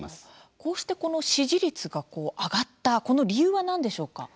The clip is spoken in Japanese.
こうして支持率が上がった理由は何でしょうか。